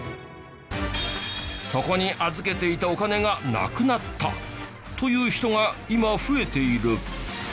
「そこに預けていたお金がなくなった」という人が今増えている。